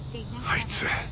あいつ。